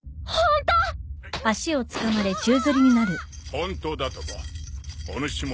本当だとも。